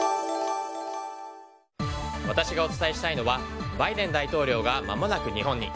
私がお伝えしたいのはバイデン大統領がまもなく日本に。